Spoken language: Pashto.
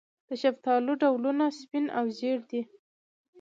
د شفتالو ډولونه سپین او ژیړ دي.